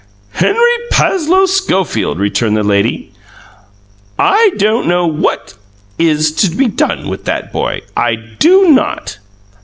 "Henry Passloe Schofield," returned the lady, "I don't know what IS to be done with that boy; I do NOT!"